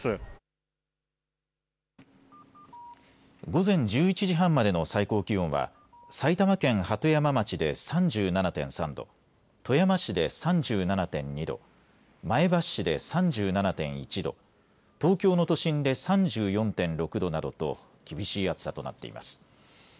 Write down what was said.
午前１１時半までの最高気温は埼玉県鳩山町で３７．３度、富山市で３７．２度、前橋市で３７．１度、東京の都心で３４．６度などと厳しい暑さとなっています。